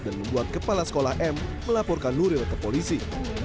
dan membuat kepala sekolah m melaporkan nuril ke polisi